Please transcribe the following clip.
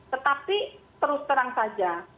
tetapi terus terang saja